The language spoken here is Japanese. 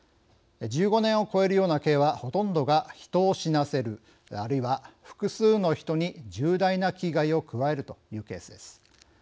１５年を超えるような刑はほとんどが人を死なせるあるいは複数の人に重大な危害を加えるというケースです。